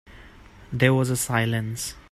There was a silence.